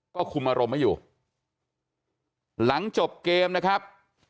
ก็คุมอารมณ์ไม่อยู่หลังจบเกมนะครับ